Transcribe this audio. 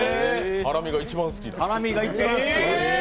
ハラミが一番好き。